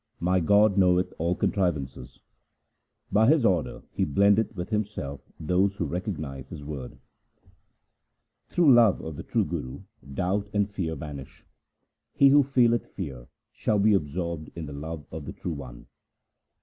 My God knoweth all contrivances ; By His order He blendeth with Himself those who recog nize His word. Through love of the true Guru doubt and fear vanish. He who feeleth fear shall be absorbed in the love of the True One.